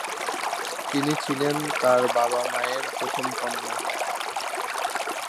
তিনি ছিলেন তাঁর বাবা-মায়ের প্রথম কন্যা।